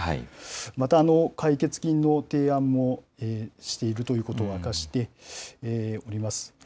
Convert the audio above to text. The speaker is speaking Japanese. また、解決金の提案もしているということを明かしております。